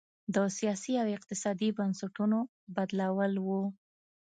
د سیاسي او اقتصادي بنسټونو بدلول و.